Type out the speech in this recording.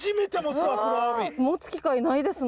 持つ機会ないですもんね。